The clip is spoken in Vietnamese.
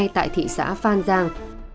tại thị xã phan giang